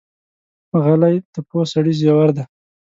غلی، د پوه سړي زیور دی.